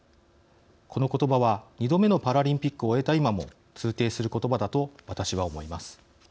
このことばは２度目のパラリンピックを終えた今も通底することばだと私は思います。